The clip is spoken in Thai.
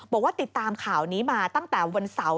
บอกว่าติดตามข่าวนี้มาตั้งแต่วันเสาร์